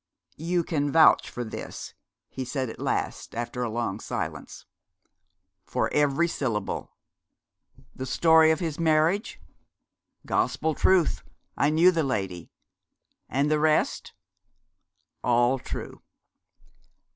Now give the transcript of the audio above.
'You can vouch for this?' he said at last, after a long silence. 'For every syllable.' 'The story of his marriage?' 'Gospel truth: I knew the lady.' 'And the rest?' 'All true.'